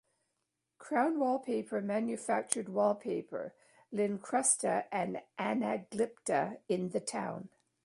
Crown Wallpaper manufactured wallpaper, Lincrusta and Anaglypta in the town.